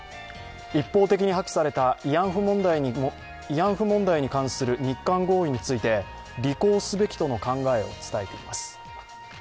一方的に破棄された慰安婦問題に関する日韓合意について履行すべきとの考えを伝えています。